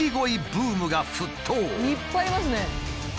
いっぱいいますね。